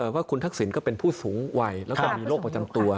ว่าคุณทักษิณก็เป็นผู้สูงวัยแล้วก็มีโรคประจำตัว